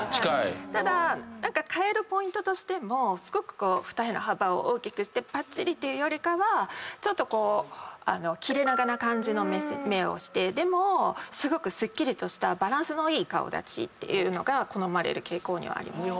ただ変えるポイントとしてもすごく二重の幅を大きくしてパッチリっていうよりかはちょっとこう切れ長な感じの目をしてでもすごくすっきりとしたバランスのいい顔立ちっていうのが好まれる傾向にはあります。